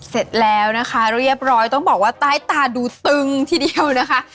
เสร็จแล้วนะคะเรียบร้อยต้องบอกว่าใต้ตาดูตึงทีเดียวนะคะ